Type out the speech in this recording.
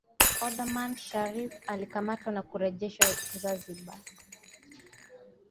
Othaman Shariff alikamatwa na kurejeshwa Zanzibar